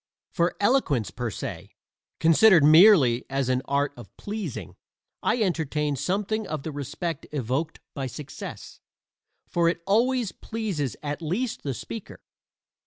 For eloquence per se considered merely as an art of pleasing I entertain something of the respect evoked by success; for it always pleases at least the speaker.